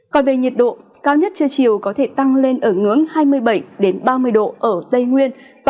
còn về nhiệt độ cao nhất trưa chiều có thể tăng lên ở ngưỡng hai mươi bảy đến ba mươi độ ở tây nguyên và ba mươi đến ba mươi ba độ tại khu vực nam bộ